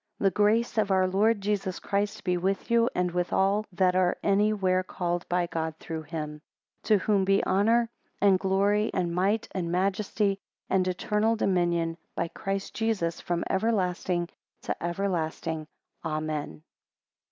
4 The grace of our Lord Jesus Christ be with you, and with all that are any where called by God through him: To whom be honour and glory, and might and majesty, and eternal dominion, by Christ Jesus, from everlasting to everlasting, Amen.